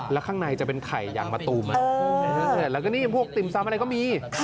แล้วข้างในจะเป็นไข่อย่างมะตูมแล้วก็นี่พวกติ่มซำอะไรก็มี